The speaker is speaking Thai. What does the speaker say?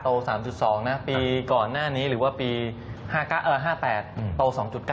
๓๒นะปีก่อนหน้านี้หรือว่าปี๕๘โต๒๙